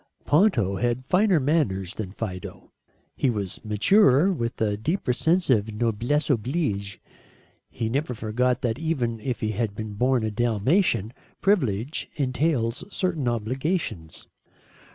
Ponto had finer manners than Fido. He was maturer, with a deeper sense of noblesse oblige. He never forgot that even if he had been born a Dalmatian, privilege entails certain obligations.